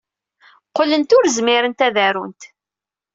Qqlent ur zmirent ad arunt.